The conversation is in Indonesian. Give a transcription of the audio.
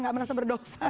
gak merasa berdoa